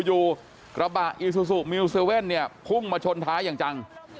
อยู่กระบะอีซูซูมิวเซเว่นเนี่ยพุ่งมาชนท้ายอย่างจัง